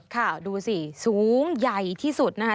ค่ะดูสิสูงใหญ่ที่สุดนะคะ